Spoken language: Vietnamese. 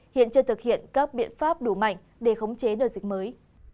hiện chưa thực hiện các biện pháp đủ mạnh để khống chế đợt dịch mới